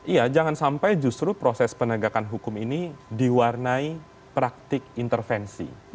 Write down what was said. iya jangan sampai justru proses penegakan hukum ini diwarnai praktik intervensi